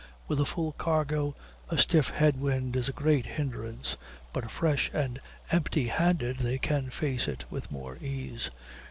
With a full cargo, a stiff head wind is a great hindrance, but fresh and empty handed they can face it with more ease.